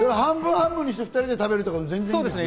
半分半分にして、２人で食べるとか、全然いいですね。